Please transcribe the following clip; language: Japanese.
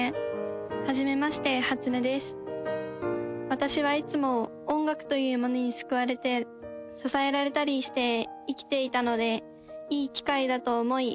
私はいつも音楽というものにすくわれて支えられたりして生きていたのでいいきかいだと思い